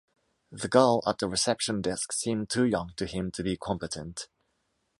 The girl at the reception desk seemed too young to him to be competent.